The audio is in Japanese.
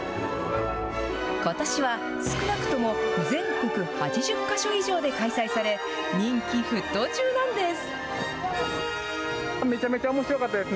ことしは少なくとも全国８０か所以上で開催され、人気沸騰中なんです。